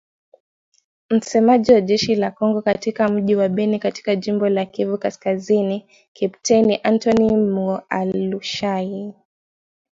Msemaji wa jeshi la Kongo katika mji wa Beni katika jimbo la Kivu Kaskazini, Kepteni Antony Mualushayi.